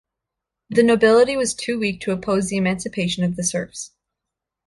The nobility was too weak to oppose the emancipation of the serfs.